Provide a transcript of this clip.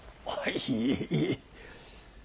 いえいえ。